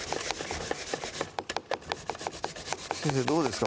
先生どうですか？